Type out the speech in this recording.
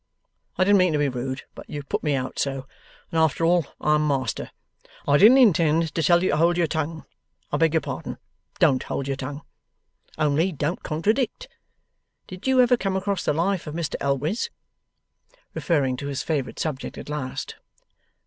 I didn't mean to be rude, but you put me out so, and after all I'm master. I didn't intend to tell you to hold your tongue. I beg your pardon. Don't hold your tongue. Only, don't contradict. Did you ever come across the life of Mr Elwes?' referring to his favourite subject at last.